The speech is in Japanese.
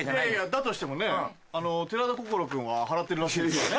だとしてもね寺田心君は払ってるらしいですけどね。